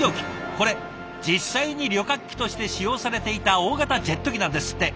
これ実際に旅客機として使用されていた大型ジェット機なんですって！